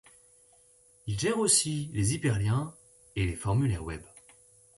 Ils gèrent aussi les hyperliens et les formulaires web.